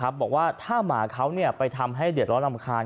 บอกว่าถ้าหมาเขาไปทำให้เดือดร้อนรำคาญ